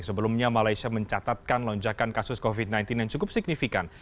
sebelumnya malaysia mencatatkan lonjakan kasus covid sembilan belas yang cukup signifikan